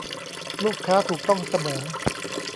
ลูกค้าถูกต้องเสมอ